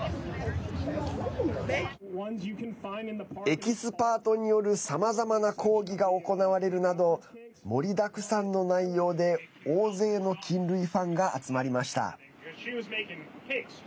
エキスパートによるさまざまな講義が行われるなど盛りだくさんの内容で大勢の菌類ファンが集まりました。